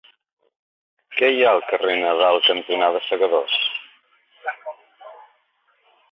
Què hi ha al carrer Nadal cantonada Segadors?